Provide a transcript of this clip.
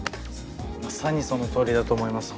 まさにそのとおりだと思います。